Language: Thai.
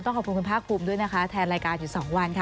ต้องขอบคุณพระคุมด้วยนะคะแทนรายการอยู่สองวันค่ะ